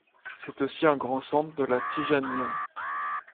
C'est aussi un grand centre de la Tijaniyya.